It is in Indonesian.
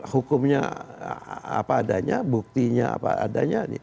hukumnya apa adanya buktinya apa adanya